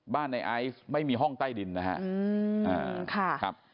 ในไอซ์ไม่มีห้องใต้ดินนะครับ